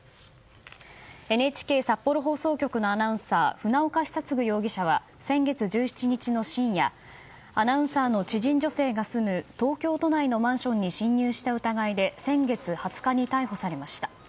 ＮＨＫ札幌放送局のアナウンサー船岡久嗣容疑者は先月１７日の深夜アナウンサーの知人女性が住む東京都内のマンションに侵入した疑いで先月２０日に逮捕されました。